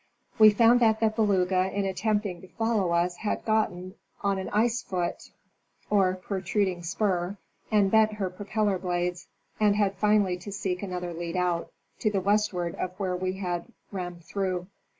We found that. the Beluga in attempting to follow us had gotten on an ice foot, or protruding spur, and bent her propeller blades, and had finally to seek another lead out, to the westward of where we had ram med through.